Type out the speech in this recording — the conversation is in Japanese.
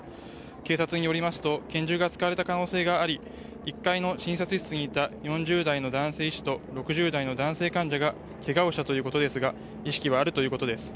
警察によりますと拳銃が使われた可能性があり１階の診察室にいた４０代の男性医師と６０代の男性患者がけがをしたということですが意識はあるということです。